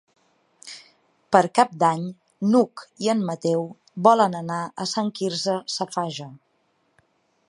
Per Cap d'Any n'Hug i en Mateu volen anar a Sant Quirze Safaja.